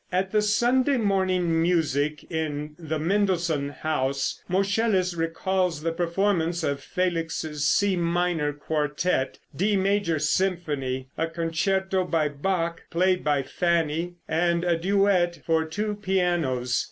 At the Sunday morning music in the Mendelssohn house, Moscheles recalls the performance of Felix's C minor quartette, D major symphony, a concerto by Bach, played by Fanny, and a duet for two pianos.